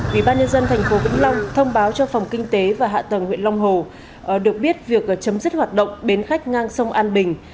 ủy ban nhân dân tp vĩnh long thông báo cho phòng kinh tế và hạ tầng huyện long hồ được biết việc chấm dứt hoạt động bến khách ngang sông an bình